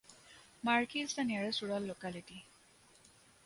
Marki is the nearest rural locality.